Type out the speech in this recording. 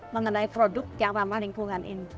mengenai produk yang ramah lingkungan ini